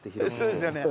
そうですよね。